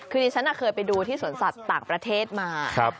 คือดิฉันเคยไปดูที่สวนสัตว์ต่างประเทศมา